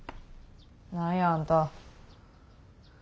何やあんた。